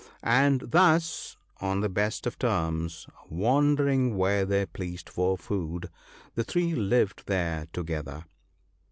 And thus, on the best of terms, wandering where they pleased for food, the three lived there together.